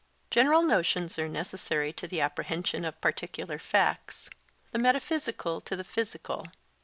General notions are necessary to the apprehension of particular facts, the metaphysical to the physical.